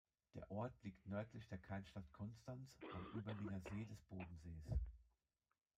Der Ort liegt nördlich der Kernstadt Konstanz am Überlinger See des Bodensees.